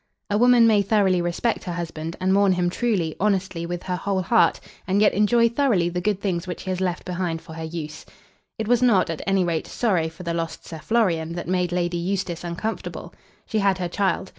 A woman may thoroughly respect her husband, and mourn him truly, honestly, with her whole heart, and yet enjoy thoroughly the good things which he has left behind for her use. It was not, at any rate, sorrow for the lost Sir Florian that made Lady Eustace uncomfortable. She had her child.